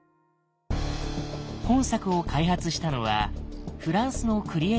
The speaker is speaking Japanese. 本作を開発したのはフランスのクリエイターチーム。